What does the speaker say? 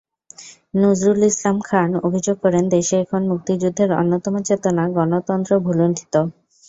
নজরুল ইসলাম খান অভিযোগ করেন, দেশে এখন মুক্তিযুদ্ধের অন্যতম চেতনা গণতন্ত্র ভূলুণ্ঠিত।